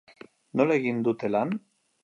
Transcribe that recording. Nola egiten dute lan?